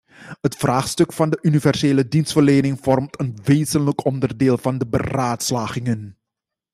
Het vraagstuk van de universele dienstverlening vormt een wezenlijk onderdeel van de beraadslagingen.